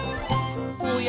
「おや？